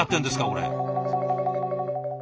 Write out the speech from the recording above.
これ。